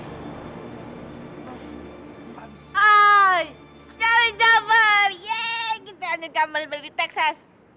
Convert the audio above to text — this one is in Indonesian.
hai jalan jalan yeay kita lanjutkan balik balik di texas